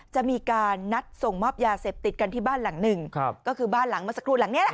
จะมีการนัดส่งมอบยาเสพติดกันที่บ้านหลังหนึ่งครับก็คือบ้านหลังเมื่อสักครู่หลังเนี้ยแหละ